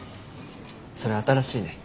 それ新しいね。